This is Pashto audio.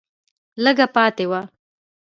لږه پاتې وه